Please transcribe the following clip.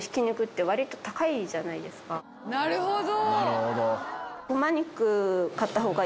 なるほど。